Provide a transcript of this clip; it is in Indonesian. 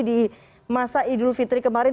di masa idul fitri kemarin